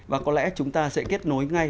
và có lẽ chúng ta sẽ kết nối ngay